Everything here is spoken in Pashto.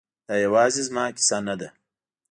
دا یوازې زما کیسه نه ده